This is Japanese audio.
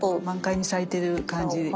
満開に咲いてる感じ。